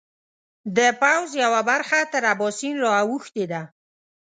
د پوځ یوه برخه تر اباسین را اوښتې ده.